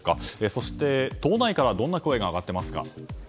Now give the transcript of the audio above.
そして、党内からはどんな声が上がっていますか？